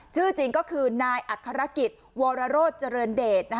ชื่อจริงก็คือนายอัครกิจวรโรธเจริญเดช